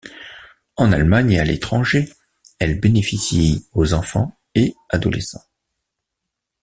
En Allemagne et à l'étranger, elles bénéficient aux enfants et adolescents.